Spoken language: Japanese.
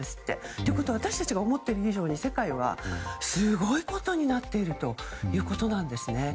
ということは私たちが思っている以上に世界はすごいことになっているということなんですね。